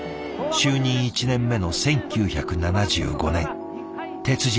就任１年目の１９７５年鉄人